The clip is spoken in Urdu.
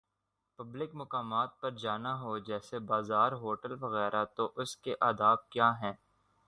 پبلک مقامات پر جانا ہو، جیسے بازار" ہوٹل وغیرہ تو اس کے آداب کیا ہیں۔